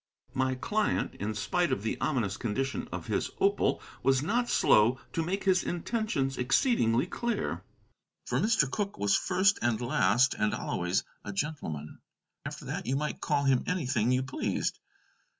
My client, in spite of the ominous condition of his opal, was not slow to make his intentions exceedingly clear. For Mr. Cooke was first and last, and always, a gentleman. After that you might call him anything you pleased.